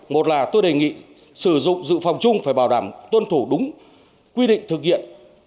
một là tôi đề nghị sử dụng dự phòng chung phải bảo đảm tuân thủ đúng quy định thực hiện